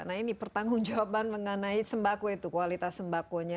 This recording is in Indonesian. nah ini pertanggung jawaban mengenai sembako itu kualitas sembakonya